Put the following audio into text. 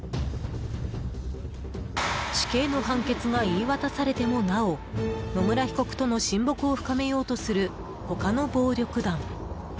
死刑の判決が言い渡されてもなお野村被告との親睦を深めようとする他の暴力団。